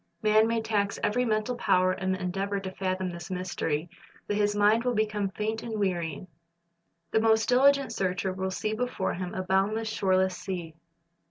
Man may tax every mental power in the endeavor to fathom this mystery, but his mind will become faint and weary. The most dihgent searcher will see before him a boundless, shoreless sea.